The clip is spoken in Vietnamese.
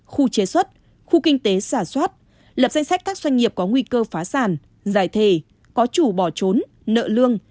khu chế xuất khu kinh tế xả soát lập danh sách các doanh nghiệp có nguy cơ phá sản giải thề có chủ bỏ trốn nợ lương